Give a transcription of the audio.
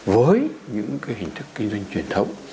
với những cái hình thức kinh doanh truyền thống